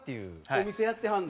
お店やってはるの？